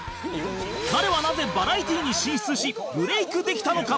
彼はなぜバラエティーに進出しブレイクできたのか？